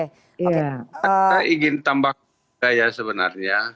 saya ingin tambah gaya sebenarnya